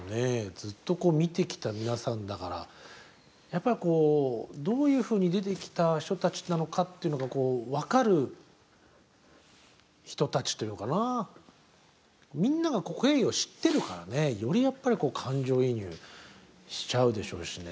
ずっとこう見てきた皆さんだからやっぱりこうどういうふうに出てきた人たちなのかっていうのが分かる人たちというかなみんなが経緯を知ってるからねよりやっぱりこう感情移入しちゃうでしょうしね。